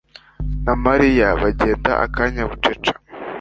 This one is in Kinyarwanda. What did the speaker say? na Mariya bagenda akanya bucece.